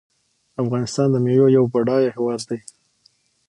افغانستان د میوو یو بډایه هیواد دی.